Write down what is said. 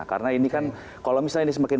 karena ini kan kalau misalnya ini semakin